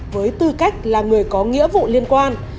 với tư cách là người có nghĩa vụ liên quan